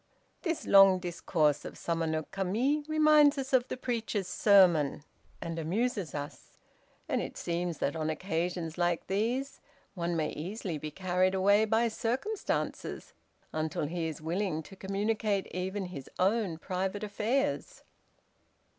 This long discourse of Sama no Kami reminds us of the preacher's sermon, and amuses us. And it seems that, on occasions like these, one may easily be carried away by circumstances, until he is willing to communicate even his own private affairs.